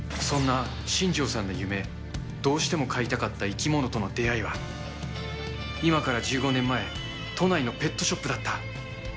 そんな新上さんの夢、どうしても飼いたかった生き物との出会いは、今から１５年前、都内のペットショップだった。